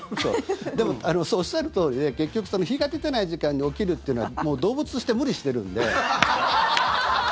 でも、おっしゃるとおりで結局、日が出てない時間に起きるというのは動物として無理してるんで。